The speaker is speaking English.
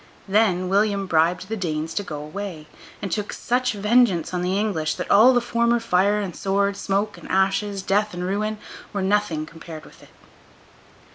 Then, William bribed the Danes to go away; and took such vengeance on the English, that all the former fire and sword, smoke and ashes, death and ruin, were nothing compared with it.